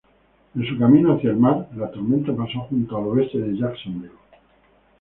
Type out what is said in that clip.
En su camino hacia el mar, la tormenta pasó justo al oeste de Jacksonville.